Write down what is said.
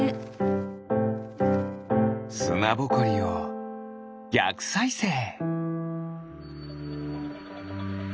すなぼこりをぎゃくさいせい！